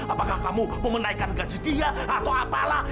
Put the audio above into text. apakah kamu mau menaikkan gaji dia atau apalah